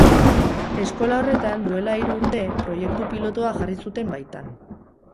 Eskola horretan, duela hiru urte, proiektu pilotoa jarri zuten baitan.